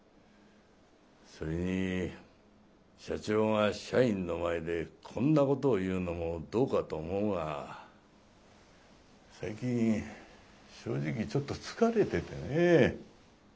それに社長が社員の前でこんなことを言うのもどうかと思うが最近正直ちょっと疲れててね。